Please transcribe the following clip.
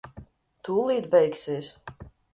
Tūlīt beigsies.